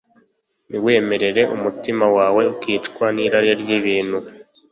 niwemera umutima wawe ukicwa n'irari ry'ibintu